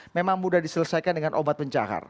memang mudah diselesaikan dengan obat pencahar